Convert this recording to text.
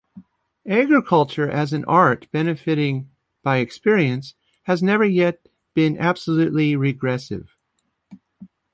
Agriculture, as an art benefiting by experience, has never yet been absolutely regressive.